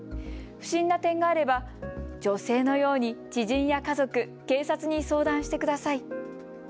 不審な点があれば女性のように知人や家族、警察に相談してください。